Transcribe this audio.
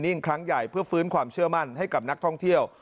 ่งครั้งใหญ่เพื่อฟื้นความเชื่อมั่นให้กับนักท่องเที่ยว